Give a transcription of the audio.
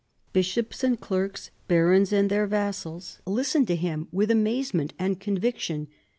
Bishops and clerks, barons and their vassals, listened to him with amazement and conviction.